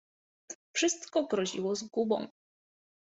Wszystko groziło zgubą.